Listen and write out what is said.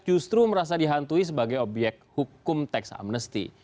justru merasa dihantui sebagai obyek hukum tax amnesty